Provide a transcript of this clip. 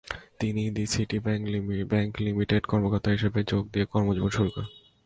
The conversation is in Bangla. তিনি দ্য সিটি ব্যাংক লিমিটেডে কর্মকর্তা হিসেবে যোগ দিয়ে কর্মজীবন শুরু করেন।